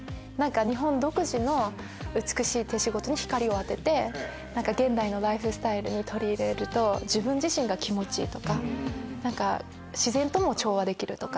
日本独自の美しい手仕事に光を当てて現代のライフスタイルに取り入れると自分自身が気持ちいいとか自然とも調和できるとか。